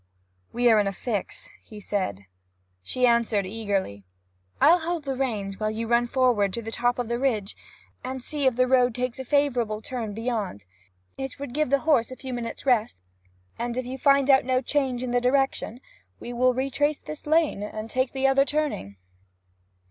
'We are in a fix,' he said. She answered eagerly: 'I'll hold the reins while you run forward to the top of the ridge, and see if the road takes a favourable turn beyond. It would give the horse a few minutes' rest, and if you find out no change in the direction, we will retrace this lane, and take the other turning.'